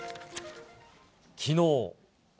きのう。